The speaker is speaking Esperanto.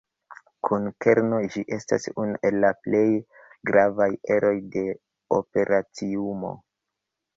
Kun kerno, ĝi estas unu el la plej gravaj eroj de operaciumo.